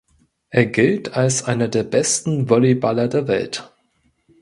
Er gilt als einer der besten Volleyballer der Welt.